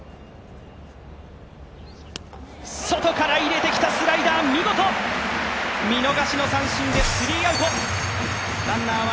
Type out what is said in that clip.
外から入れてきたスライダー、見事見逃しの三振でスリーアウト。